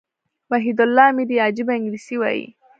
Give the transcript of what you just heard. وحيدالله اميري عجبه انګلېسي وايي.